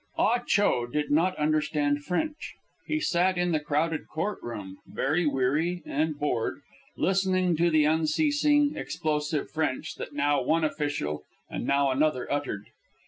Ah Cho did not understand French. He sat in the crowded court room, very weary and bored, listening to the unceasing, explosive French that now one official and now another uttered.